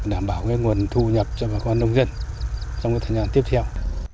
đảm bảo cái nguồn thu nhập cho bà con nông dân trong cái thời gian tiếp theo